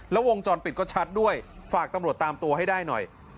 แล้ววงจรปิดก็ชัดด้วยฝากตำรวจตามตัวให้ได้หน่อย